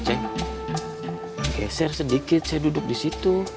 saya geser sedikit saya duduk di situ